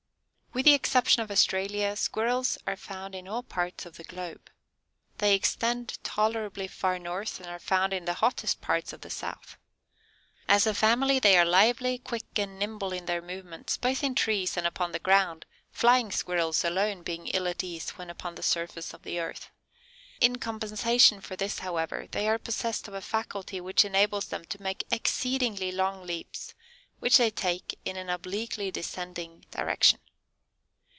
With the exception of Australia, Squirrels are found in all parts of the globe; they extend tolerably far north and are found in the hottest parts of the South. As a family they are lively, quick, and nimble in their movements, both in trees and upon the ground, Flying Squirrels alone being ill at ease when upon the surface of the earth. In compensation for this, however, they are possessed of a faculty which enables them to make exceedingly long leaps, which they take in an obliquely descending direction.